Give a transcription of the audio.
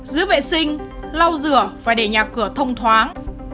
giữ vệ sinh lau rửa và để nhà cửa thông thoáng